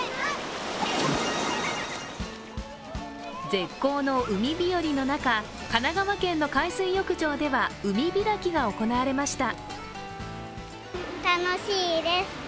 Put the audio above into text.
絶好の海日和の中、神奈川県の海水浴場では海開きが行われました。